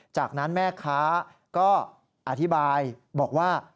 จากนั้นแม่ค้าก็อธิบายบอกว่า